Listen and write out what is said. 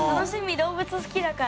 動物好きだから。